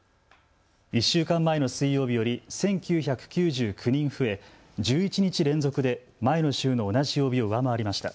１週間前の水曜日より１９９９人増え、１１日連続で前の週の同じ曜日を上回りました。